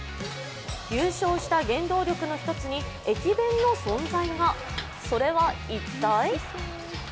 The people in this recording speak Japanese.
優勝した原動力の一つに駅弁の存在が、それは一体？